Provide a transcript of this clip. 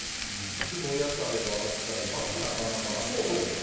でもお野菜があったりとか魚があったりとか。